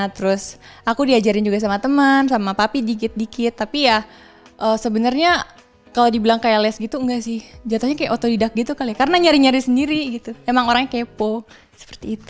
terus aku diajarin juga sama teman sama papi dikit dikit tapi ya sebenarnya kalau dibilang kayak les gitu enggak sih jatuhnya kayak otodidak gitu kali karena nyari nyari sendiri gitu emang orangnya kepo seperti itu